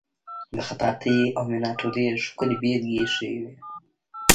د خطاطی او میناتوری ښکلې بیلګې ایښې وې.